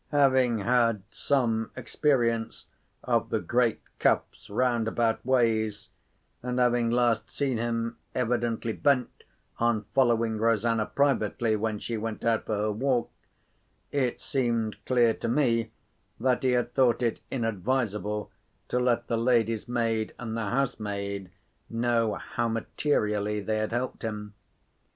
Having had some experience of the great Cuff's roundabout ways, and having last seen him evidently bent on following Rosanna privately when she went out for her walk, it seemed clear to me that he had thought it unadvisable to let the lady's maid and the housemaid know how materially they had helped him.